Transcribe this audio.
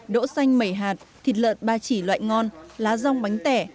đỗ xanh mẩy hạt thịt lợn ba chỉ loại ngon lá rong bánh tẻ